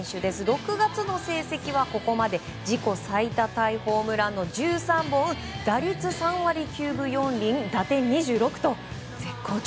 ６月の成績はここまで自己最多タイホームランの１３本打率３割９分４厘打点２６と絶好調。